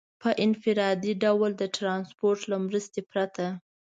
په انفرادي ډول د ټرانسپورټ له مرستې پرته.